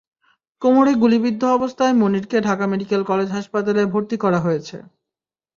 কোমরে গুলিবিদ্ধ অবস্থায় মনিরকে ঢাকা মেডিকেল কলেজ হাসপাতালে ভর্তি করা হয়েছে।